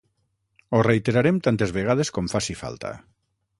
Ho reiterarem tantes vegades com faci falta.